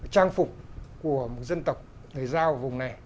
trang phục của một dân tộc người giao ở vùng này